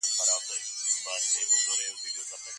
سمندري مارغان په ورا راغلي